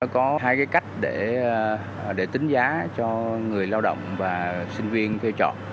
có hai cái cách để tính giá cho người lao động và sinh viên thuê chọn